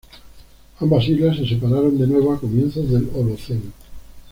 Ambas islas se separaron de nuevo a comienzos del Holoceno.